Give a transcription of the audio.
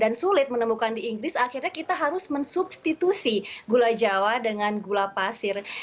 dan sulit menemukan di inggris akhirnya kita harus mensubstitusi gula jawa dengan gula pasir